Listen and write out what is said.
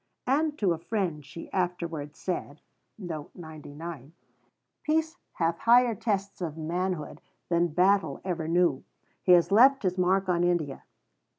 And to a friend she afterwards said: "Peace hath higher tests of manhood than battle ever knew. He has left his mark on India.